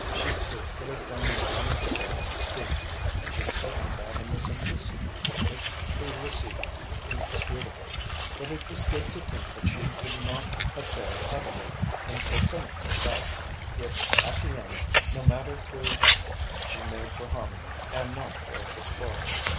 She too could have been one of the souls to speak; she accepted that in the simplicity with which we receive the indisputable, but it was good to think that she would not have failed utterly in fulfilling herself, if at the end, no matter through what, she made for harmony, and not for discord.